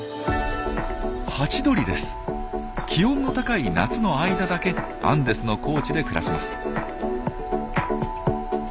気温の高い夏の間だけアンデスの高地で暮らします。